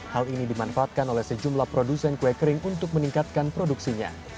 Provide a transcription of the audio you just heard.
hal ini dimanfaatkan oleh sejumlah produsen kue kering untuk meningkatkan produksinya